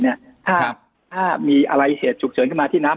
ถ้ามีอะไรเหตุฉุกเฉินขึ้นมาที่น้ำ